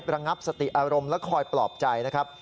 ระงับสติอารมณ์และคอยปลอบใจนะครับ